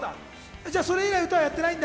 それ以来、歌はやってないんだ。